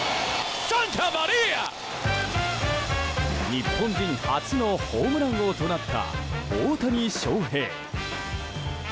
日本人初のホームラン王となった大谷翔平。